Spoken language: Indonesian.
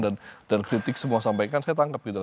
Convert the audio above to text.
dan dan kritik semua yang disampaikan saya tangkap gitu